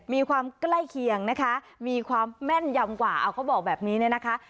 มีความใกล้เคียงนะคะมีความแม่นยำกว่าเอาเขาบอกแบบนี้เนี่ยนะคะ